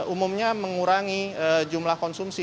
umumnya mengurangi jumlah konsumsi